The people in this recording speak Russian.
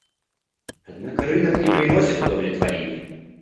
Однако рынок не приносит удовлетворения.